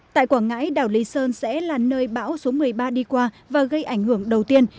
tại quảng ngãi đảo lý sơn sẽ là nơi bão số một mươi ba đi qua và gây ảnh hưởng đầu tiên